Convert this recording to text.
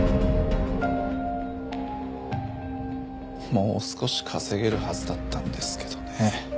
もう少し稼げるはずだったんですけどね。